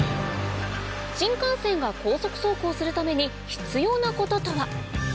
新幹線が高速走行するために必要なこととは？